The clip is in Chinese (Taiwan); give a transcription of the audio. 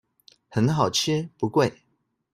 很好吃不貴